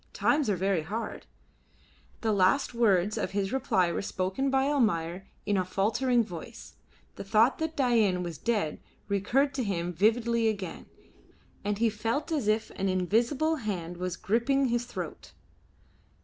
Times are very hard." The last words of his reply were spoken by Almayer in a faltering voice. The thought that Dain was dead recurred to him vividly again, and he felt as if an invisible hand was gripping his throat.